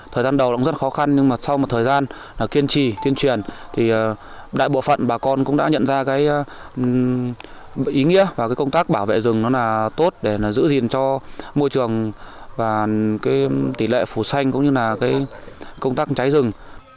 thời gian đầu rất khó khăn nhưng sau một thời gian kiên trì tiên truyền thì đại bộ phận bà con cũng đã nhận ra ý nghĩa và công tác bảo vệ rừng tốt để giữ gìn cho môi trường và tỷ lệ phủ xanh cũng như công tác cháy rừng